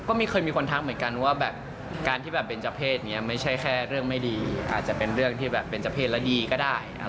ก็ไม่เคยมีคนทักเหมือนกันว่าแบบการที่แบบเป็นเจ้าเพศนี้ไม่ใช่แค่เรื่องไม่ดีอาจจะเป็นเรื่องที่แบบเป็นเจ้าเพศและดีก็ได้นะครับ